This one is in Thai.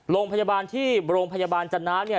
โรงพยาบาลที่โรงพยาบาลจันทร์นะ